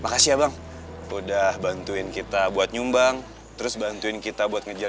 makasih ya bang udah bantuin kita buat nyumbang terus bantuin kita buat ngejar